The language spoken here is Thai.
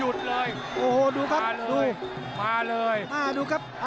โดนท่องโดนท่องมีอาการ